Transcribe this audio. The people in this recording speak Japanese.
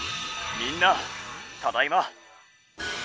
みんなただいま！